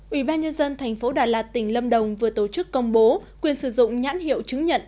ủy ban nhân dân thành phố đà lạt tỉnh lâm đồng vừa tổ chức công bố quyền sử dụng nhãn hiệu chứng nhận